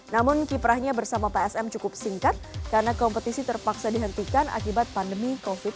namun kiprahnya bersama psm cukup singkat karena kompetisi terpaksa dihentikan akibat pandemi covid sembilan belas